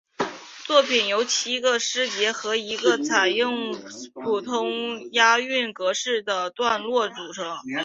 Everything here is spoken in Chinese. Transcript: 作品由七个诗节和一个采用普通押韵格式的段落组成。